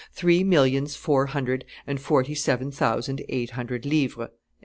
. three millions four hundred and forty seven thousand eight hundred livres."